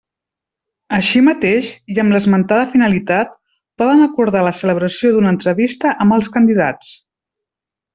Així mateix i amb l'esmentada finalitat, poden acordar la celebració d'una entrevista amb els candidats.